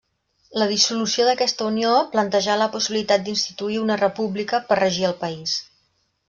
La dissolució d'aquesta unió plantejà la possibilitat d'instituir una república per regir el país.